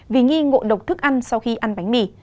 vì nghi ngộ độc thức ăn sau khi ăn bánh mì